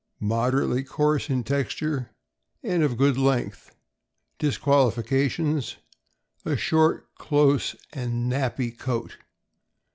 — Moderately coarse iii texture, and of good length. Disqualifications: A short, close, and nappy coat.